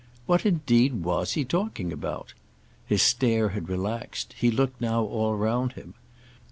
What indeed was he talking about? His stare had relaxed; he looked now all round him.